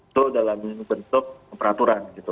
itu dalam bentuk peraturan gitu